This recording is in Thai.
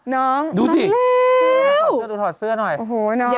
น้องค่อยขอเสื้อหน่อย